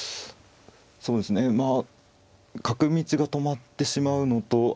そうですねまあ角道が止まってしまうのと。